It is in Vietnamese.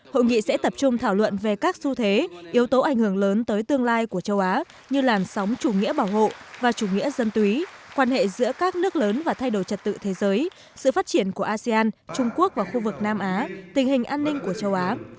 hội nghị sẽ tập trung thảo luận về các xu thế yếu tố ảnh hưởng lớn tới tương lai của châu á như làn sóng chủ nghĩa bảo hộ và chủ nghĩa dân túy quan hệ giữa các nước lớn và thay đổi trật tự thế giới sự phát triển của asean trung quốc và khu vực nam á tình hình an ninh của châu á